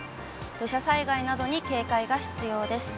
土砂災害などに警戒が必要です。